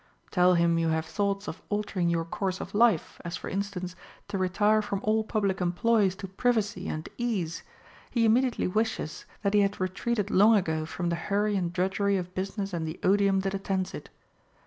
Tell him you have thoughts of altering your course of life, as for instance, to retire from all public employs to privacy and 110 HOW TO KNOW A FLATTERER ease ; he immediately wishes that he had retreated long ago from the hurry and drudgery of business and the odium that attends it.